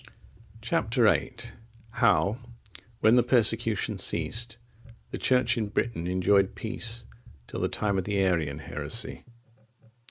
Chap. VIII. How, when the persecution ceased, the Church in Britain enjoyed peace till the time of the Arian heresy.